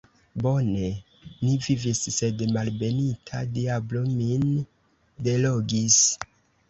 Bone ni vivis, sed malbenita diablo min delogis!